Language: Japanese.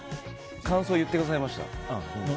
感想言ってくださいました。